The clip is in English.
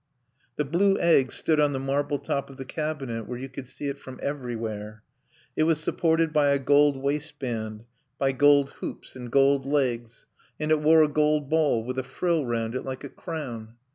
The blue egg stood on the marble top of the cabinet where you could see it from everywhere; it was supported by a gold waistband, by gold hoops and gold legs, and it wore a gold ball with a frill round it like a crown.